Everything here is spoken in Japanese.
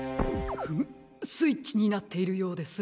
フムスイッチになっているようです。